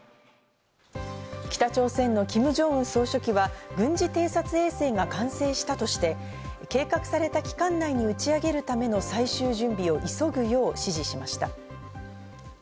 北朝鮮のキム・ジョンウン総書記は、軍事偵察衛星が完成したとして、計画された期間内に打ち上げるための最終準備を急ぐよう指示しました。